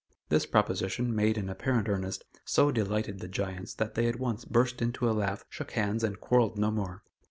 This proposition, made in apparent earnest, so delighted the giants that they at once burst into a laugh, shook hands, and quarrelled no more.